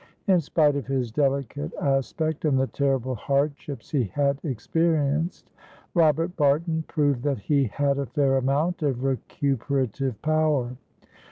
In spite of his delicate aspect, and the terrible hardships he had experienced, Robert Barton proved that he had a fair amount of recuperative power.